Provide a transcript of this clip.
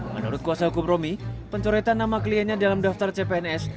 menurut kuasa hukum romi pencoretan nama kliennya dalam daftar cpns